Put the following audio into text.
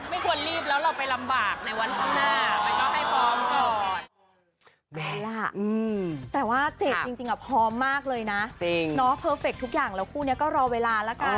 ไม่ควรรีบแล้วเราไปลำบากในวันข้างหน้า